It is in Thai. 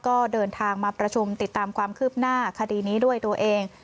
ก็เดินทางมาประชุมติดตามความคืบหน้าคดีนี้ด้วยตัวเอง